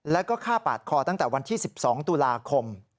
แล้วก็ฆ่าปาดคอตั้งแต่วันที่๑๒ตุลาคม